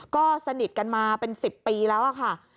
ก็สนิทกันมาเป็น๑๐ปีแล้วค่ะ